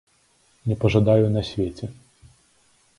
Не пажадаю на свеце.